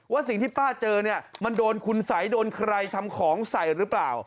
สิ่งที่ป้าเจอเนี่ยมันโดนคุณสัยโดนใครทำของใส่หรือเปล่า